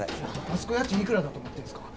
あそこ家賃いくらだと思ってるんですか？